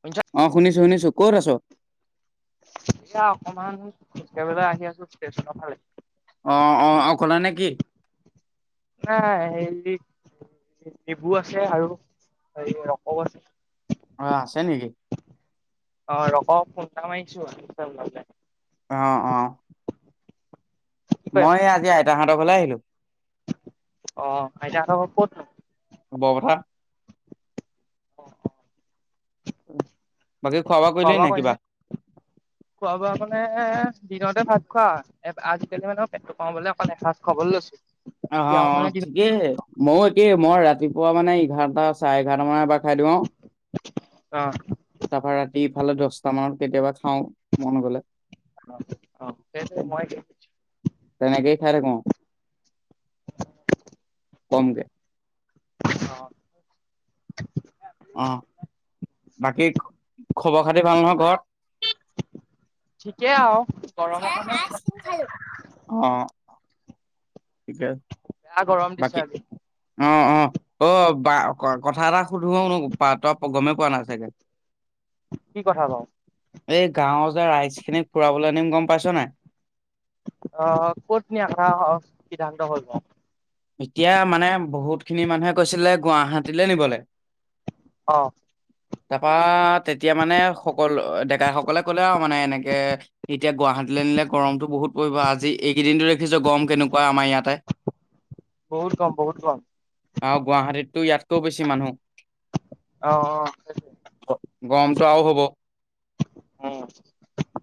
শুনিছা? অ', শুনিছোঁ, শুনিছোঁ ক'ত আছ? এইয়া অকমান [unintelligible] আহি আছোঁ [unintelligible] অ', অ', অকলেনে কি? [unintelligible] [unintelligible] অ', আছে নেকি? অ', ৰকক ফোন এটা মাৰিছোঁ, [unintelligible] অ', অ'। কি কৰি আছ? মই আজি আইতাহঁতৰ ঘৰলে আহিলোঁ। অ', আইতাহঁতৰ ঘৰ ক'তনো? বৰ পঠা [unintelligible] উম। খোৱা বোৱা কৰিলিনে? খোৱা বোৱা মানে দিনতে ভাত খোৱা, আজিকালি মই মানে পেটটো কমাবলৈ অকল এসাঁজ খাবলৈ লৈছোঁ। অ' অ' ঠিকেই ময়ো একেই মই ৰাতিপুৱা মানে এঘাৰটা চাৰে এঘাৰটা মানে এবাৰ খাই দিওঁ অ তাৰ পৰাৰা ৰাতি। ফালে দহটা মানত কেতিয়াবা খাও মন গলে। অ-অ সেইটো মই কি দি তেনেকেই খাই থাকওঁ কমকে। অ', অ', বাকী খবৰ খাতি ভাল নহয় ঘৰত। ঠিকেই আৰু গৰম এ অ ঠিকে বেয়া গৰম দিছে আমি। অ-অ-অ, বা কথা এটা সুধো প তই গমেই পোৱা নাই চাগে। কি কথা বাৰু? এই গাঁৱৰ যে ৰাইজখিনিক ফুৰাবলৈ নিম গম পাইছনোই। অহ ক'ত নি আশা সিদ্ধান্ত হল বাৰু। এতিয়া মানে বহুতখিনি মানুহে কৈছিলে গুৱাহাটীলে নিবলৈ। অ তপাত তেতিয়া মানে সকলো ডেকাই সকলে ক'লে আৰু মানে এনেকে এতিয়া গুৱাহাটীলৈ আনিলে গৰমতটো বহুত। ক'ত পৰিব আজি এইকেইদিনো দেখিছো গৰম কেনেকুৱা আমাৰ ইয়াতে। বহুত কম, বহুত কম। তো ইয়াতকৈও বেছি মানুহ। অহ গ- গৰমটো আৰুও হ'ব উম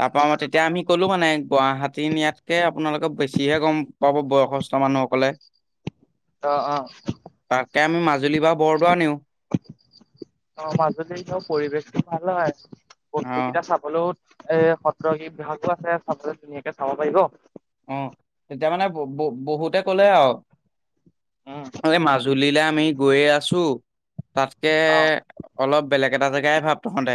তাৰ পৰা আমি তেতিয়া আমি। কলো মানে গুৱাহাটী ন ইাতকে আপোনালোকে বেছিহে গম পাব বয়সস্থ মানুহসকলে। অ-অ এই আমি মজুলী বা বৰদোৱা নিওঁ অ' মাজুল য পৰিৱেশটো ভাল হয়। অ', প্ৰতিযোগিতা চাবলৈও এ সত্ৰ বিভাগো আছে চাবলৈ ধুনীয়াকে চাব পাৰিব। অ' তেতিয়া মানে ব বহুতে কলে উম আৰু। মাজুলীলৈ আমি গৈয়ে আছো। তাতকে অ অলপ বেলেগ এটা জেগাই ভাব তহঁতে।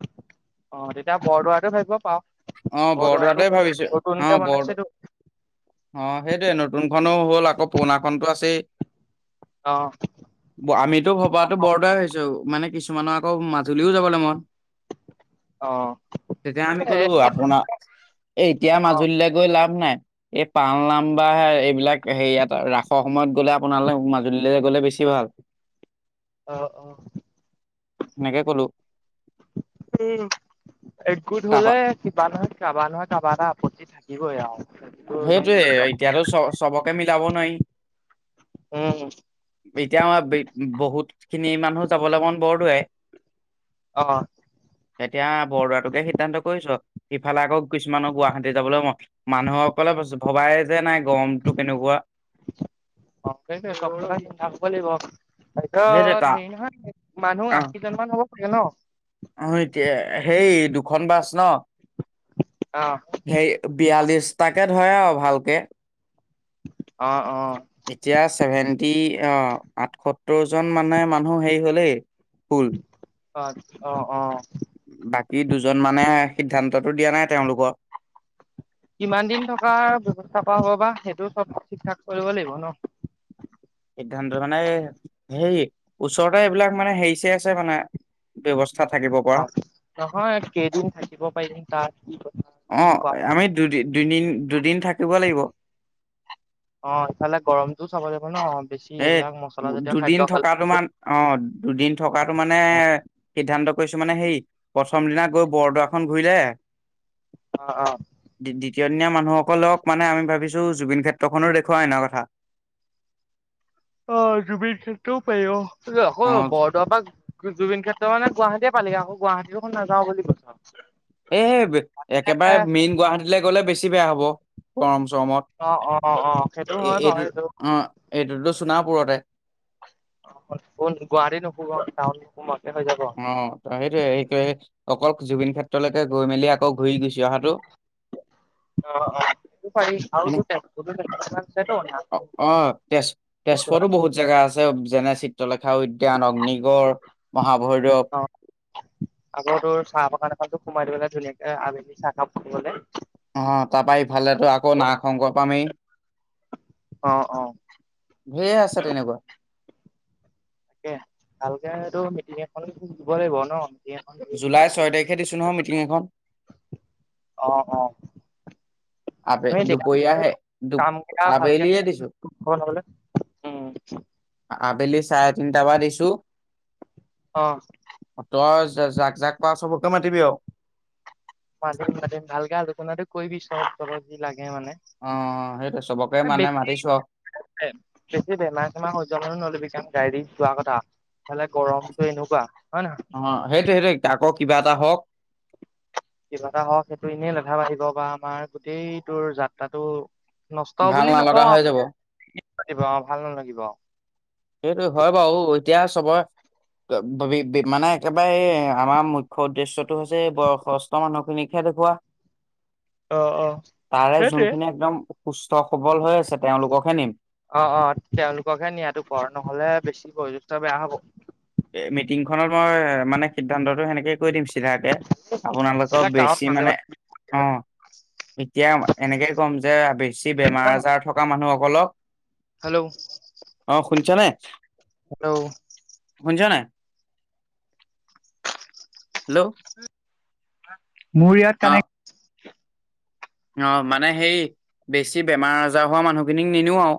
[unintelligible] অ' তেতিয়া বৰদোৱাাতটো ভাবিব পাও অ', বৰদোৱাটোৱে বৰদোৱাটো ভাবিছো অ', নতুনকে বৰদ বনাইছে। অ' সেইটোৱে নতুনখনো হ'ল আকৌ পুৰণাখনতো আছেই। অ আমিতো ভবাাতো বৰদাই হৈছো মানে। কিছুমানৰ আকৌ মাজুলীও যাবলৈ মন। অ তেতিয়া আমি কলো আপোনাৰ এ এতিয়া অ মাজুলীলৈ গৈ লাভ নাই এই পাল নাম বা এইবিলাক হেয় ৰাসৰ সময়ত গ'লে আপোনালে মাজুলী লে বেছি ভাল। অহ-অহ। সেনেকে কলো। উম, একগোট তাৰপা হলে কিবা নহয় কাবা নহয় কাৰবা এটা আপত্তি থাকিবই আৰু। সেইটো সেইটোয়ে নিশ্চিত এতিয়ো চ চবকে মিলাব নোৱাৰি। উম, এতিয়া বহুত খিনি মানুহ। চাবলৈ মন বৰদোৱাই। অ এতিয়া বৰদোৱাটোকে সিদ্ধান্ত কৰিছো সিফালে আকৌ কিছুমানৰ গুৱাহাটী যাবলৈ মানুহক। কলে ভবাই যে নাই গৰমতটো কেনেকুৱা। অক চব থাকিব লাগিব। সেইটোৱে তা তাৰপিচত হেৰি নহয় মানুহ অ আশীজন মান হ'ব লাগে ন। অ' এতিয়া সেই দুখন বাছ ন। অ সেই বিয়াল্লিশটাকে ধৰে আৰু ভালকে। অ', অ', এতিয়া ছেভেন্টি অ, আঠসত্তৰ জন মানে মানুহ হেৰি হলেই ফুল। অ, আচ্ছ অ, ই দুজন মানেহে সিদ্ধান্তটো দিয়া নাই তেওঁলোকৰ। কিমান দিন থকা ব্যৱস্থা কৰা হ'ব বা সেইটো চব ঠিক ঠাক কৰিব লাগিব ন'। সিদ্ধান্ত মানে এ ওচৰতে হেৰি চেৰী আছে মানে [unintelligible] পৰা অ নহয় কেইদিন থাকিব পাৰিম তাৰ অ আমি দুদ দুদিন দুদিন থাকিব লাগিব অ ইফালে গৰমতটোও চাব যাব বেছি এ এইবিলাক দুদিন খালে থকাতো মান অ দুদিন থকাতো মানে সিদ্ধান্ত কৈছো মানে হেই প্ৰথম দিনা গৈ বৰদোৱাখন ঘূৰিলে অ অ [unintelligible] মানুহসকলক মানে আমি ভাবিছো জুবিন ক্ষেত্ৰখনো দেখুওৱাই আনৰ কথা অ জুবিন ক্ষেত্ৰও পাৰিব আকৌ অ বৰদোৱা জুবিন খেত্ৰ মানে গুৱাহাটীয়ে পালিগে আকৌ গুৱাহাটীখন নাযাওঁ বুলি কৈছা এই একেবাৰে মেইন গুৱাহাটীলৈ গ'লে বেছি বেয়া হব গৰম অ অ অ অ সেইটো গৰমত অ হয় এ বাৰু সেইটো এ এটোটো সোনাপুৰতে গুৱাহাটী [unintelligible] অ সেইটো এইটো অকল জুবিন ক্ষেত্ৰলৈকে গৈ মেলি আকৌ ঘূৰি গুছি অহাটো অ হয়নে অ অ অ তেজ তেজপুৰতো বহুত জেগা [unintelligible] আছে যেনে চিত্ৰলেখা উদ্যান অগ্নিগড় মহাভৈৰৱ অ আকৌ তোৰ চাহ বাগান এখনতো সোমাই দিবলে ধুনীয়াকে আবেলি চাহকাপ ফুৰিবলে আহ তাৰপা ইফালেতো আকৌ নাগ শংকৰ পামেই অ অ ধেইৰ আছে তেনেকুৱা। তাকে ভালকেটো মিটিং এখন দিব লাগিব ন। মিটিং এখন ধৰি জুলাই পেলাই ছয় তাৰিখে দিছোঁ নহয় মিটিং এখন। অ অ আমি আবেলি দুপৰীয়াহে দু কাম কেইটা ভালকে আবেলিয়ে দিছো। বনাবলে উম আবেলি চাৰে তিনটা পা দিছো। অ ছ' [unintelligible] যাক-যাক পাৱ চবকে মাতিবি আৰু। চ-চৰজি লাগে মানে। অ সেইটোৱে চবকে মানে বেছি মাতিছো আৰু বেছি বেমাৰ-চেমাৰ হৈ যোৱা মানুহ নলবি কাকো। গাড়ীত যোৱা কথা, ইফালে গৰমটো এনেকুৱা। হয় নহয় অ' সেইটো সেইটোৱে, আকৌ কিবা এটা হওক। কিবা এটা হওক সেইটো এনেই লেঠা বাঢ়িব বা আমাৰ গোটেই তোৰ যাত্ৰাটো [unintelligible] ভাল বুলি নালগা হৈ যাব নকওঁ ভাল নালাগিব। সেইটো হয় বাৰু এতিয়া চবৰে। মানে, একেবাৰে আমাৰ মুখ্য উদ্দেশ্যটো হৈছে বয়সস্থ মানুহখিনিক হে দেখুৱা। [inaudible] অ তাৰে সেইটোৱে। যোনখিনি একদম সুস্থ সবল হৈ আছে, তেওঁলোককহে নিম। অ' অ' তেওঁলোককহে নিয়াতো কৰ, নহলে বেছি বয়োজেষ্ঠ বেয়া হব। মিটিং খনত মই মানে সিদ্ধান্তটো সেনেকে কৈ দিম। চিধাকে, আপোনালোকৰ এইবিলাক গাঁৱত বেছি মাজে মাজে মানে-অ'। এতিয়া এনেকে ক'ম যে বেছি বেমাৰ আজাৰ থকা মানুহক সকলক, হেল্ল' অ', শুনিছানে? হেল্ল' শুনিচ নাই, হেল্ল' মোৰ ইয়াত অ কানেক্ট মানে সেই বেছি বেমাৰ আজাৰ হোৱা মানুহখিনিক নিনিও আৰু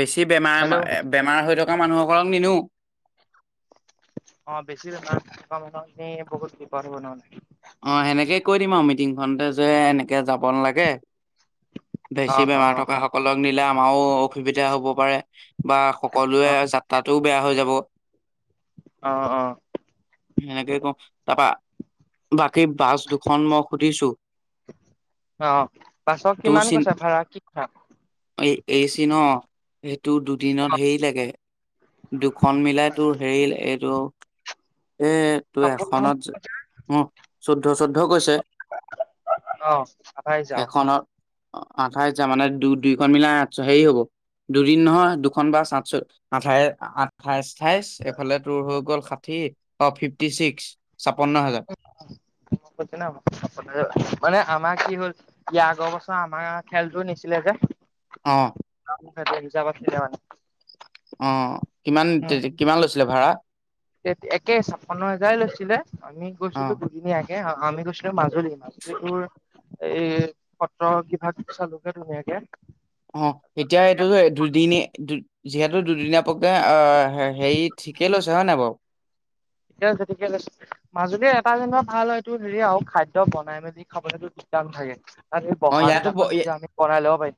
বেছি হেল্ল' বেমাৰ-বেমাৰ হয় থকা থকা মানুহসকলক নিনো। অ', বেছি বেমাৰ হৈ থকা মানুহক নি বহুত বিপদ হ'ব নহ'লে অ', সেনেকে কৈ দিম আৰু মিটিংখনতে যে এনেকে যাব নালাগে অ বেছি অ বেমাৰ থকা সকলক নিলে আমাৰো অসুবিধা হ'ব পাৰে বাহ অ সকলোৱে যাত্ৰাটোও বেয়া হৈ যাব অ অ এনেকে কম তাৰপা সেই বাছ দুখন মই সুধিছোঁ অ', বাছত কিমান কৈছে ভাড়া এই [unintelligible] এই চি ন' তোৰ দুদিনত হেৰি লাগে দুখন মিলাই তোৰ হেৰি এইটো এই তোৰ এখনত পাহৰি উ চৈধ্যছত চৈধ্য কৈছে যাওঁ। এখনত আঠাইচ হাজাৰ মানে দুই দুইখন মিলাই আঠশ হেৰি হ'ব দুদিন নহয় দুখন বাছ আঠাই আঠাইছ আঠাইছ এইফালে তোৰ হৈ গ'ল ষাঠি অ', ফিফটি ছিক্স। ছাপন্ন হাজাৰ [unintelligible] মানে আমাৰ কি হ'ল ইয়াৰ আগৰ বছৰ আমাৰ খেলটো নিছিলে যে অ', তাতে ৰিজাব আছিলে মানে অ', কিমান উম, কিমান লৈছিলে ভাড়া? একে ছাপন্ন হাজাৰে লৈছিলে আমি অ গৈছিলো দুদিনীয়াকে আমি গৈছো মাজুলী, মাজুলী তোৰ এই সত্ৰ বিভাগ চালোগে ধুনীয়াকে অ', এতিয়া এইটোত দুদিন দু যিহেতু দুদিনীয়া পকে আ হেৰি ঠিকে লৈছে হয়নে বাৰু? এতিয়া যেতিকে লৈ মাজুলীৰ এটা যেনিবা ভাল হয় তোৰ হেৰি আৰু খাদ্য বনাই মেলি খাবলৈটো কাম থাকে অ', ইয়াতো অ', পাৰিম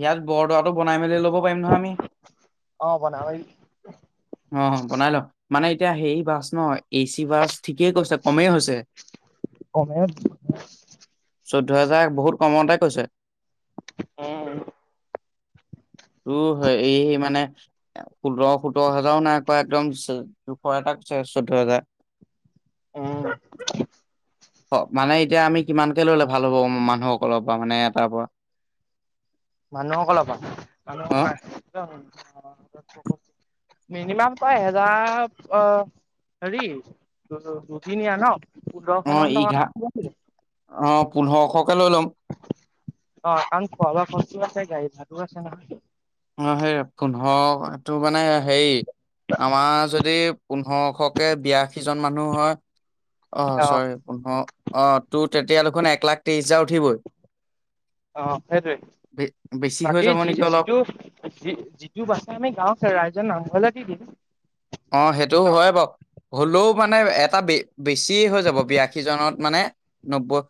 ইয়াত বৰদোৱাটো বনাই মেলি ল'ব পাৰিম নহয় আমি। অ', বনাবি অ বনাই লম মানে এতিয়া হেৰি বাছ ন এচি বাছ ঠিকেই কৈছে কমেই হৈছে কমে চৈধ্যহেজাৰ বহুত কমতে কৈছে। অ', পোন্ধৰ সোতৰ হাজাৰো নাই কোৱা একদম জোখৰ এটা কৈছে চৈধ্য হাজাৰ উম অ', মানে এতিয়া আমি কিমানকে ল'লে ভাল হ'ব মানুহসকলৰ পৰা মানে এটাৰ পৰা মানুহসকলৰ পৰা মানুহ অ [unintelligible] মিনিমাম তই এহেজাৰ অ', হেৰি দুদিনীয়া ন পোন্ধৰশ মান অ', টকা ইঘাৰ অ', পোন্ধৰশকে লৈ লম। অ', কাৰণ খোৱাবোৱা খৰচো আছে গাড়ী ভাড়াও আছে নহয় অ', সেই পোন্ধৰটো মানে হেৰি আমাৰ যদি পোন্ধৰশকে বিয়াশী জন মানুহ হয় অ', অ' চৰি পোন্ধৰ অ', টোত তেতিয়া দেখোন এক লাখ ত্ৰিশ হেজাৰ উঠিবই অ, সেইটোৱেই বে বেছি হৈ বাকী যাব যি নেকি অলপ যিটো - যিটো বাচে আমি গাওৰ খে ৰাইজৰ নামঘলে দি দিম অ, সেইটোও ন হয় বাও হলও মানে এটা ব বেছি হৈ যাব বিয়াশী জনত মানে নব্বৈ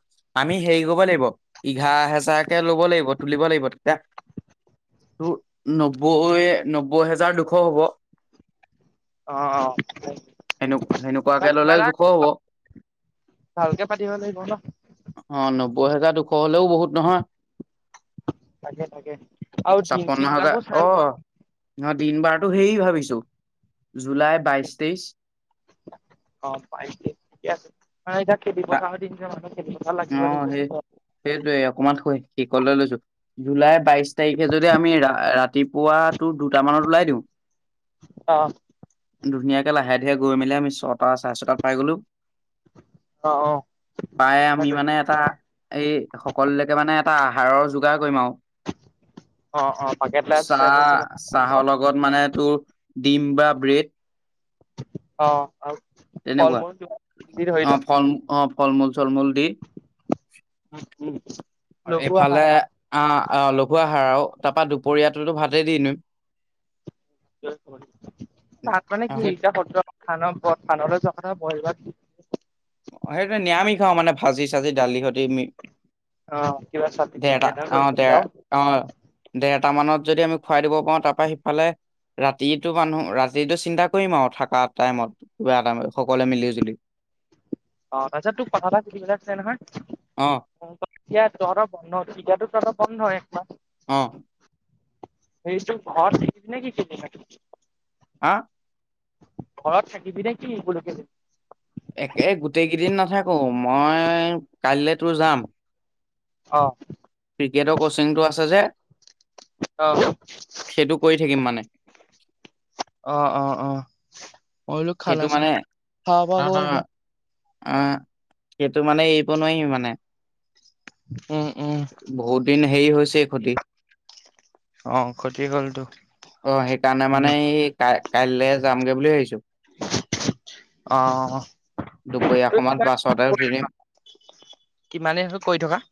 আমি হেৰি কৰিব লাগিব এঘাৰ হেজাৰকে লব লাগিব তুলিব লাগিব তেতিয়া ত নব্বৈ - নব্বৈ হেজাৰ দুশ হব অ' অ' সনে সেনেকুৱাকে কিবা ললে জোখৰ এটা হ'ব ভালকে পাতিব লাগিব ন বহেজাৰ দুশ হ'লেও বহুত নহয় তাকে তাকে আৰু দিন চিন ছাপন্ন হাজাৰ বিলাকো চাই অ, নহ দিন বাৰতো সেই ভাবিছো জু - জুলাইৰ বাইশ তেইশ অ, পাইছে ঠিকে আছে এতিয়া খেতি বা পথাৰত দিন যে মানুহ খেতি পথাৰত অ, লাগিব লাগিব সেই পিছত সেইটোৱে অকমান শ শেষলৈ লৈছো জুলাই বাইশ তাৰিখে যদি আমি ৰা ৰাতিপুৱা দু - দুটা মানত ওলাই দিও অ ধুনী তে লাহে ধীৰে গৈ মেলি আমি ছটা চাৰে ছটাত পাই গলো অ - পাই অ আমি সেইটোৱে মানে এটা এই সকললকে মানে এটা আহাৰৰ যোগাৰ কৰিম আও অ অ বাকেট লাঞ্চ টাইপৰ চাহ - কিবা চাহৰ লগত মানে তোৰ ডিম বা ব্ৰেড অ, আৰু ফল তেনেকুৱা মূল কিবা যি ধৰি অ ল ফলমূ - অ ফল মূল চল মূল দি উম উম লঘু এইফালে আহাৰ আহ লঘু আহাৰ আও তাৰপা দুপৰীয়াটোতো ভাতে দি নম তাত মানে অ কি সেই এতিয়া স খানৰ - খানৰ যোৱা কথা বইল ভা সেইটো নিৰামিষ খাও মানে ভাজি চাজি দালি সতি মি অ কিবা চাটনি তাটনি দেৰটা এটা অ কৰি দিবি দেৰ আও অ, দেৰটা মানত যদি আমি খুৱাই দিব পাও তাপা সিফালে ৰাতিটো মানুহ ৰাতিতটো চিন্তা কৰিম আৰু থকা টাইমত কিবা এত সকলোৱে মিলি জুলি অ, তাপিছত তোক কথা এটা হুধিবলে আছে নহয়। অ', ইয়াত তহতৰ বন্ধ পীটোত তোৰ বন্ধই অ সেইটো ঘৰ শিখিছ নে কি কে ন হা ঘৰত থাকিবি নে কিব কলে একে গোটেই কেইদিন নাথাকো মই কাইলৈ তোৰ যাম অ', ক্ৰিকেটৰ কচিংটো আছে যে অ অ সেইটো কৰি থাকিম মানে অ - অ - অ মই বুলো সেইটো খানা মানে চানা খাৱা অ গ'ল অ নে অ, সেইটো মানে এইব নোৱাৰি মানে উম উম বহুত দিন হেৰি হৈছে ক্ষতি অ, খতি গল তো অ, সেইকাৰণে মানে এই ক কাইলে যামগে বুলি ভাবিছো অ', দুপৰীয়া সমত বাছতে উঠিদিম কিমানেই কৰি থকা।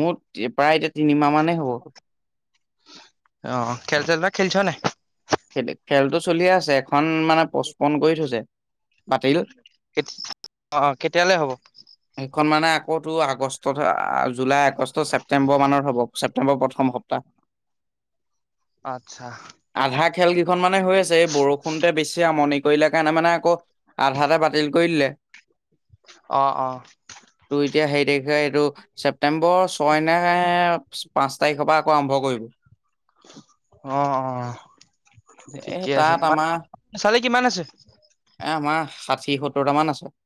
মোৰ প্ৰায় এতিয়া তিনিমাহ মানেই হ'ব। অ, খেলি চেলিব খেলিছ নাই। খেলটো চলিয়ে আছে এখন মানে পচপন কৰি থৈছে। বাতিল। কেতি অ কেতিয়ালে হ'ব? খন মানে আকৌ তোৰ আগষ্টতহে, জুলাই, আগষ্ট ছেপ্তেম্বৰ মানৰ হ'ব ছেপটেম্বৰৰ প্ৰথম সপ্তাহ। [inaudible] আচ্ছা। আধা খেল কিখন মানে হৈ আছে, এই বৰষুণটোৱে বেছি আমনি কৰিলে কাৰণে মানে আকৌ আধাতে বাতিল কৰি দিলে। অ অ। তো এতিয়া সেই তাৰিখে এইটো ছেপ্তেম্বৰ ছয় নে পাঁচ তাৰিখৰ পৰা আকৌ আৰম্ভ কৰিব। অ অ এ ঠিকে আছে। তাত আমাৰ [unintelligible] কিমান আছে? এ আমাৰ ষাঠি সত্তৰটামান আছে।